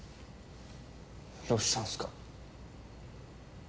どうしたんすか？